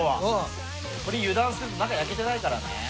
これ油断すると中焼けてないからね。